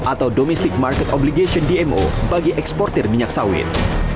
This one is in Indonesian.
atau domestic market obligation dmo bagi eksportir minyak sawit